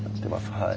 はい。